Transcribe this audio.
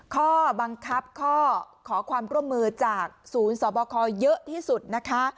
ข้อบังคับข้อขอความร่วมมือจากศูนย์สบคเยอะที่สุดนะคะ